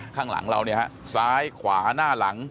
ข้างหลังเราซ้ายขวาหน้าหลัง